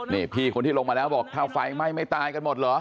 นี่พี่คนที่ลงมาแล้วบอกถ้าไฟไหม้ไม่ตายกันหมดเหรอ